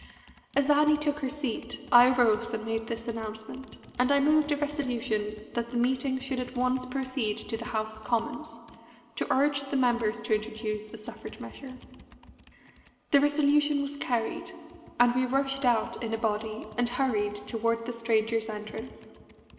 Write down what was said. As Annie took her seat I arose and made this announcement, and I moved a resolution that the meeting should at once proceed to the House of Commons to urge the members to introduce a suffrage measure. The resolution was carried, and we rushed out in a body and hurried toward the Strangers' Entrance.